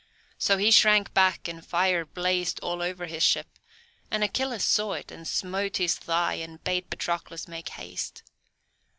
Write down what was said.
So he shrank back and fire blazed all over his ship; and Achilles saw it, and smote his thigh, and bade Patroclus make haste.